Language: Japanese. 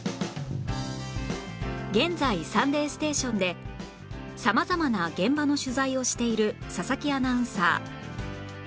現在『サンデーステーション』で様々な現場の取材をしている佐々木アナウンサー